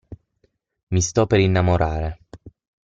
Mi sto per innamorare...